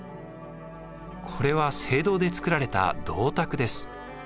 これは青銅で作られた銅鐸です。